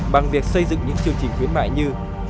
bằng việc xây dựng những chương trình khuyến mại như